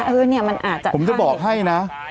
แต่หนูจะเอากับน้องเขามาแต่ว่า